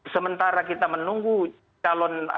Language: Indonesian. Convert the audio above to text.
sementara kita menunggu calon